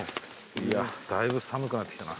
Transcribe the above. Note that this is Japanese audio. いやだいぶ寒くなってきたな。